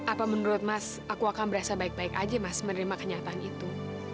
apa menurut mas aku akan berasa baik baik aja mas menerima kenyataan itu